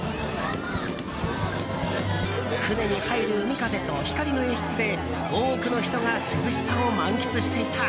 船に入る海風と光の演出で多くの人が涼しさを満喫していた。